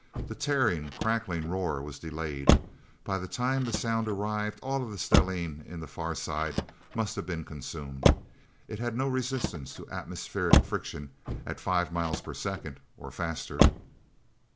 The tearing, crackling roar was delayed. By the time the sound arrived, all of the stellene in the Far Side must have been consumed. It had no resistance to atmospheric friction at five miles per second, or faster.